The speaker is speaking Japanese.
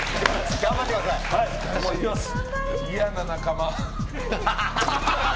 嫌な仲間。